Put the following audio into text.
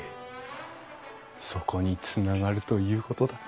そこにつながるということだ。